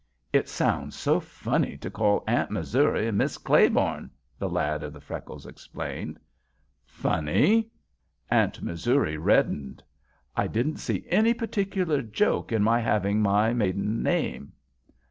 "It sounds so funny to call Aunt Missouri ''Mis' Claiborne,'" the lad of the freckles explained. "Funny?" Aunt Missouri reddened. "I don't see any particular joke in my having my maiden name."